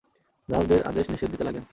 দাসদের আদেশ-নিষেধ দিতে লাগলেন।